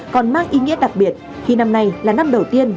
còn mang ý nghĩa đặc biệt khi năm nay là năm đầu tiên